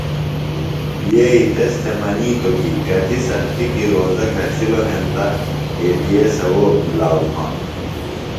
یئی تس تھےۡ منِیتوۡ کی کتیۡ سختیۡ کیۡ روزوہ گھشِلوۡ ہینتہ اتِئے ثوؤب مِلاؤ بھانوۡ۔